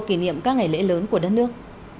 kỷ niệm các ngày lễ lớn của đất nước